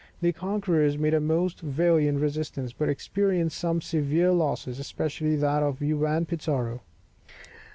The conquerors made a most valiant resistance, but experienced some severe losses, especially that of Juan Pizarro.